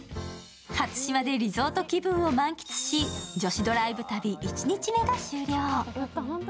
初島でリゾート気分を満喫し、女子ドライブ旅１日目が終了。